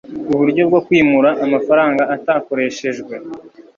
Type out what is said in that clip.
uburyo bwo kwimura amafaranga atakoreshejwe